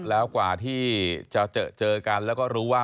แล้วกว่าที่จะเจอกันแล้วก็รู้ว่า